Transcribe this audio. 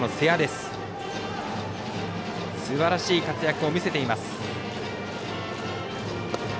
すばらしい活躍を見せています。